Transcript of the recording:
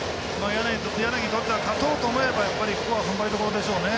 柳にとっては勝とうと思えばここはふんばりどころですね。